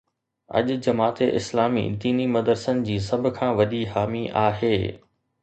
اڄ جماعت اسلامي ديني مدرسن جي سڀ کان وڏي حامي آهي.